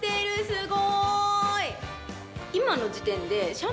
すごーい。